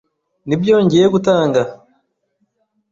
Nibyo ngiye gutanga.